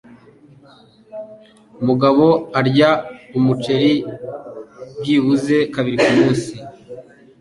Mugabo arya umuceri byibuze kabiri kumunsi.